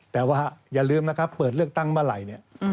แต่ว่าอย่าลืมนะครับเปิดเลือกตั้งเมื่อไหร่เนี่ย